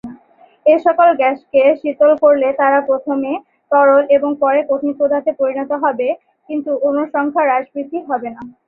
এ সকল গ্যাসকে শীতল করলে তারা প্রথমে তরল এবং পরে কঠিন পদার্থে পরিণত হবে; কিন্তু অণুর সংখ্যার হ্রাস-বৃদ্ধি হবে না।